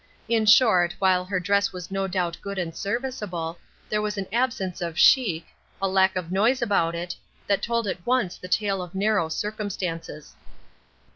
In short, while her dress was no doubt good and serviceable, there was an absence of chic, a lack of noise about it, that told at once the tale of narrow circumstances.